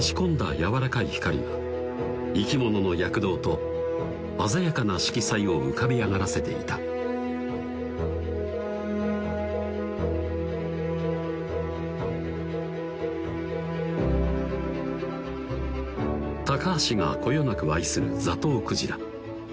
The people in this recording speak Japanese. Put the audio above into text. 柔らかい光が生き物の躍動と鮮やかな色彩を浮かび上がらせていた高橋がこよなく愛するザトウクジラ